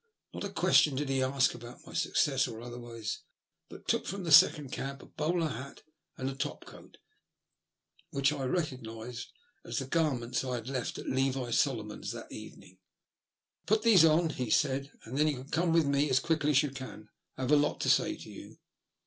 Not a question did he ask about my success or otherwise, but took from the second cab a H 98 THE LUST OF HATE. bowler hat and a top coat, which I recognised as the garments I had left at Levi Solomon's that evening. *' Fat these on/' he said, " and then come with me as quickly as you can. I have a lot to say to you."